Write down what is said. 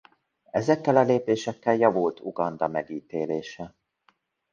Ezekkel a lépésekkel javult Uganda megítélése.